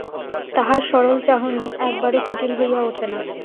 তাহার সরল চাহনি একবারও কুটিল হইয়া ওঠে না।